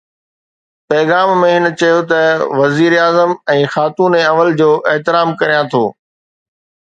پيغام ۾ هن چيو ته وزيراعظم ۽ خاتون اول جو احترام ڪريان ٿو